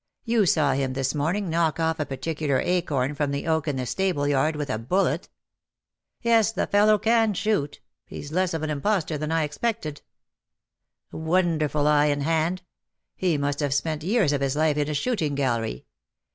You saw him this morning knock off a particular acorn from the oak in the stable yard with a bullet/' " Yes^ the fellow can shoot ; he's less of an impostor than I expected/' "Wonderful eye and hand. He must have spent years of his life in a shooting gallery.